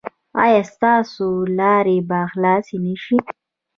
ایا ستاسو لارې به خلاصې نه شي؟